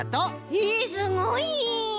へえすごい！